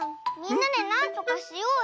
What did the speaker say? みんなでなんとかしようよ！